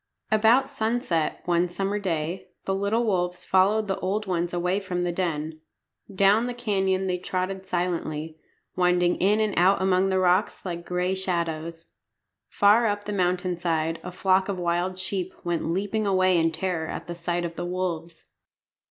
About sunset, one summer day, the little wolves followed the old ones away from the den. Down the canyon they trotted silently, winding in and out among the rocks like gray shadows. Far up the mountain side a flock of wild sheep went leaping away in terror at sight of the wolves.